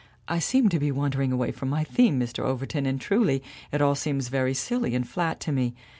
"(I seem to be wandering away from my theme, Mr. Overton, and truly, it all seems very silly and flat to me.